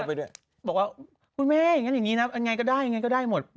พอแบบว่าพี่แม่ยังงี้นะยังไงก็ได้ยังไงก็ได้หมด